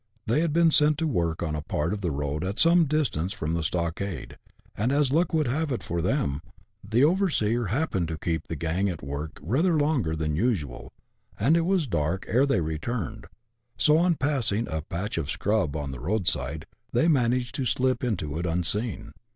They had been sent to work on a part of the road at some distance from the stockade, and, as luck would have it for them, the overseer happened to keep the CHAP. IV.] CONFESSIONS OF A BUSHRANGER. 39 gang at work rather longer than usual, and it was dusk ere they returned ; so, on passing a " patch of scrub " on the road side, they managed to slip into it unseen.